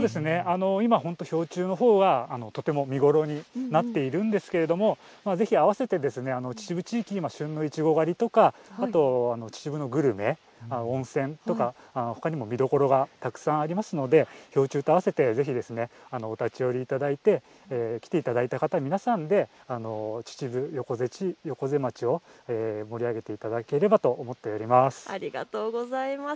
今、本当に氷柱のほうはとても見頃になっているんですけれどもぜひ合わせて秩父地域にも旬のいちご狩りとか、秩父のグルメ、温泉とか、ほかにも見どころがたくさんありますので氷柱とあわせてぜひお立ち寄りいただいて、来ていただいた方、皆さんで秩父、横瀬町を盛り上げていただければと思っています。